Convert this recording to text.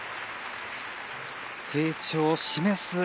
成長を示す